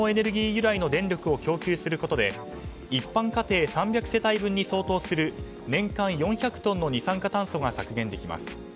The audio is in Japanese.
由来の電力を供給することで一般家庭３００世帯分に相当する年間４００トンの二酸化炭素が削減できます。